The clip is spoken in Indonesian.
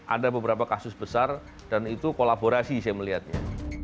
ada beberapa kasus besar dan itu kolaborasi saya melihatnya